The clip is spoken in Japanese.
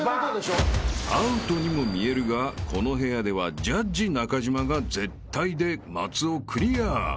［アウトにも見えるがこの部屋ではジャッジ中島が絶対で松尾クリア！］